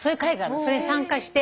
それに参加して。